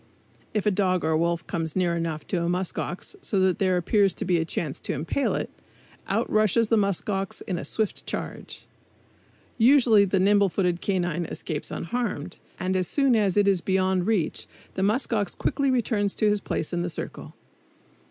If a dog or wolf comes near enough to a musk ox so that there appears to be a chance to impale it, out rushes the musk ox in a swift charge. Usually the nimble footed canine escapes unharmed, and as soon as it is beyond reach the musk ox quickly returns to his place in the circle.